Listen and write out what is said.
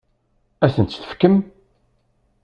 Ad asent-tt-tefkem?